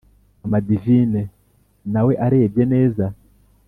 mama divine nawe arebye neza,